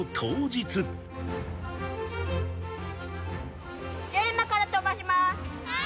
じゃあ、今から飛ばします。